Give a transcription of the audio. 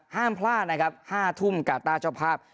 ห้ามพลาดนะครับ๕ทุ่มกาต้าเจ้าภาพ